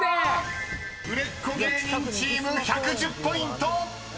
［売れっ子芸人チーム１１０ポイント！］